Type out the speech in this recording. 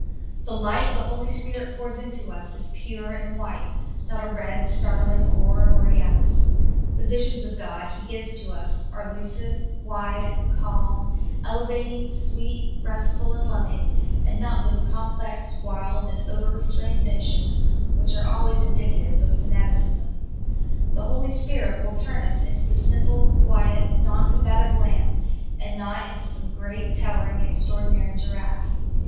The light the Holy Spirit pours into us is pure and white, not a red, startling aurora borealis ; the visions of God He gives to us are lucid, wide, calm, elevating, sweet, restful, and loving, and not those complex, wild, and overstrained notions which are alwaj^s indicative of fa naticism. The Holy Spirit will turn us into the simple, quiet, non combative lamb, and not into some great, towering extraordinary giraffe.